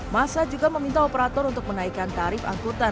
masa juga meminta operator untuk menaikkan tarif angkutan